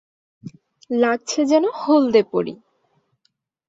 লাগছে যেন হলদে পরি